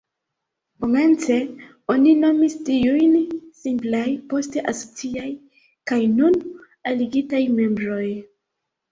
Komence oni nomis tiujn "simplaj", poste "asociaj" kaj nun "aligitaj" membroj.